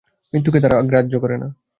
মৃত্যুকে তাহারা গ্রাহ্য করে না।